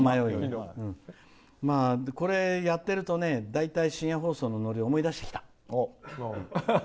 これやってると大体、深夜放送のノリ思い出してきた。